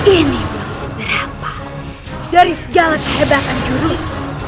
ini belum seberapa dari segala kehebatan jurus